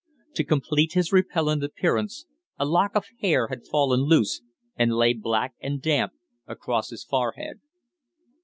To complete his repellent appearance, a lock of hair had fallen loose and lay black and damp across his forehead.